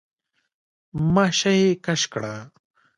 ماشه يې کش کړه.